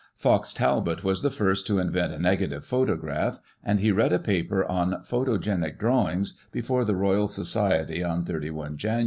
Fox Talbot was the first to invent a negative photograph, and he read a paper on " Photogenic Drawings " before the Royal Society, on 31 Jan.